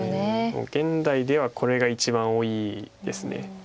もう現代ではこれが一番多いです。